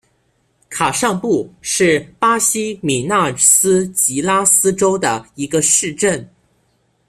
卡尚布是巴西米纳斯吉拉斯州的一个市镇。